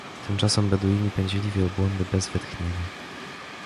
Tymczasem Beduini pędzili wielbłądy bez wytchnienia.